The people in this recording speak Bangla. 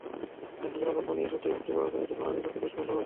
তাঁর জীবনের গল্প নিয়ে সদ্যই মুক্তি পাওয়া ছবিতেও বাংলাদেশ আছে বেশ ভালোভাবেই।